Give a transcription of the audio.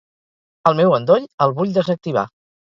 El meu endoll, el vull desactivar.